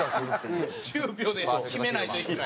１０秒で決めないといけない？